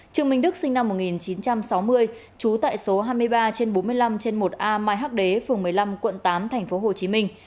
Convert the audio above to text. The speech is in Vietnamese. trương minh đức sinh năm một nghìn chín trăm sáu mươi chú tại số hai mươi ba bốn mươi năm một a mai hắc đế phường một mươi năm quận tám tp hồ chí minh